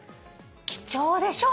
貴重でしょ？